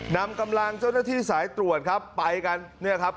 นำกำลังเจ้าหน้าที่สายตรวจครับ